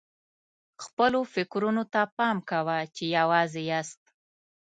خپلو فکرونو ته پام کوه چې یوازې یاست.